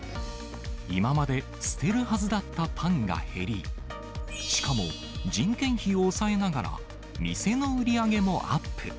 今まで捨てるはずだったパンが減り、しかも、人件費を抑えながら、店の売り上げもアップ。